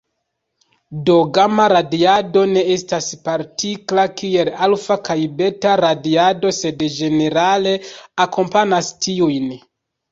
Do, gama-radiado ne estas partikla kiel alfa- kaj beta-radiado, sed ĝenerale akompanas tiujn.